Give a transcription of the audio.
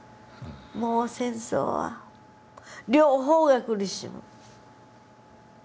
もう戦争は両方が苦しむ。